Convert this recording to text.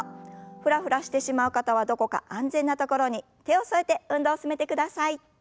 フラフラしてしまう方はどこか安全な所に手を添えて運動を進めてください。